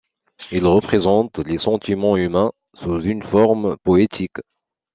Ils représentent les sentiments humains sous une forme poétique.